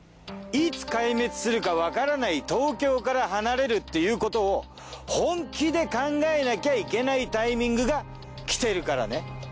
いつ壊滅するかわからない東京から離れるっていうことを本気で考えなきゃいけないタイミングが来てるからね。